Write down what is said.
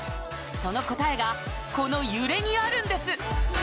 その答えがこの揺れにあるんです